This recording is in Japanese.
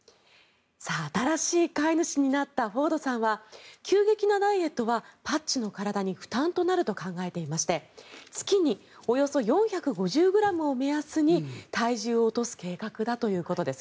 新しい飼い主になったフォードさんは急激なダイエットはパッチの体に負担となると考えていまして月におよそ４５０ｇを目安に体重を落とす計画だということです。